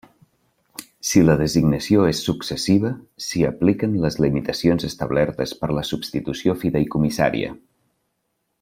Si la designació és successiva, s'hi apliquen les limitacions establertes per a la substitució fideïcomissària.